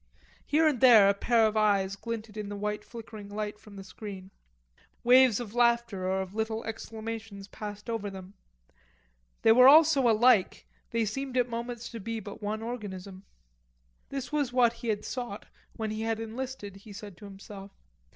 Here and there a pair of eyes glinted in the white flickering light from the screen. Waves of laughter or of little exclamations passed over them. They were all so alike, they seemed at moments to be but one organism. This was what he had sought when he had enlisted, he said to himself.